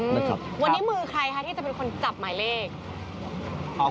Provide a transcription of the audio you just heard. มือครับวันนี้มือใครคะที่จะเป็นคนจับหมายเลข